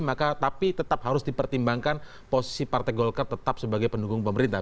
maka tapi tetap harus dipertimbangkan posisi partai golkar tetap sebagai pendukung pemerintah